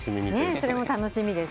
それも楽しみです。